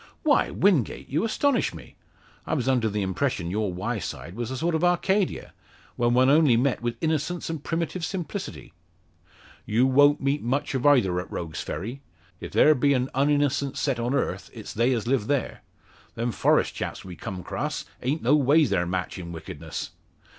"Why, Wingate, you astonish me! I was under the impression your Wyeside was a sort of Arcadia, where one only met with innocence and primitive simplicity." "You won't meet much o' either at Rogue's Ferry. If there be an uninnocent set on earth it's they as live there. Them Forest chaps we came 'cross a'nt no ways their match in wickedness.